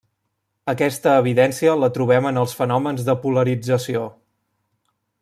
Aquesta evidència la trobem en els fenòmens de polarització.